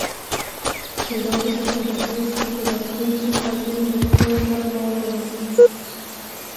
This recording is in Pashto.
شیبه وروسته په دهلېز کې د راتلونکي خادم د پښو ږغ واورم.